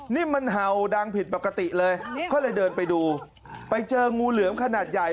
นี่มันเห่าดังผิดปกติเลยก็เลยเดินไปดูไปเจองูเหลือมขนาดใหญ่